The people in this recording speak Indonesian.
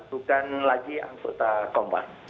bukan lagi angkota kompas